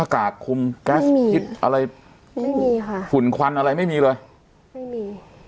หน้ากากคุมอะไรไม่มีค่ะฝุ่นควันอะไรไม่มีเลยไม่มี